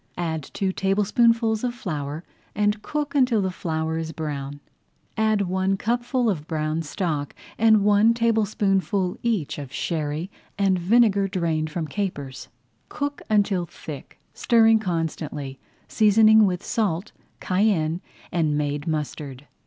Add two tablespoonfuls of flour and cook until the flour is brown. Add one cupful of brown stock and one tablespoonful each of sherry and vinegar drained from capers. Cook until thick, stirring constantly, seasoning with salt, cayenne, and made mustard.